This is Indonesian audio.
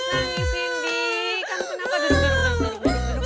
kamu kenapa duduk duduk sayang